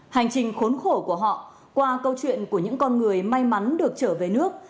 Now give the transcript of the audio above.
hành trình khốn khổ của họ qua câu chuyện của những con người may mắn được trở về nước